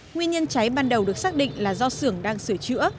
nguyên nhân cháy ban đầu được xác định là do xưởng đang sửa chữa